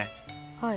はい。